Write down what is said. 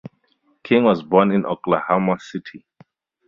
King was born in Oklahoma City.